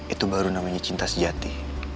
itu baru namanya cinta sejati